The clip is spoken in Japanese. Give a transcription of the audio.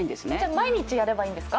毎日やればいいんですか。